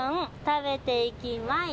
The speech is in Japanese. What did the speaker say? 「食べて行きまい！」